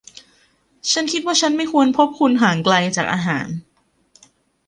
ฉันคิดว่าฉันไม่ควรพบคุณห่างไกลจากอาหาร